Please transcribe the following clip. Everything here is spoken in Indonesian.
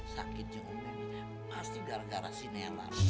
sakitnya ummi pasti gara gara si nelan